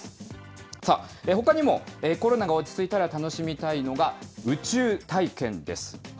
さあ、ほかにもコロナが落ち着いたら楽しみたいのが、宇宙体験です。